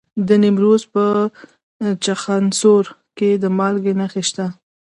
د نیمروز په چخانسور کې د مالګې نښې شته.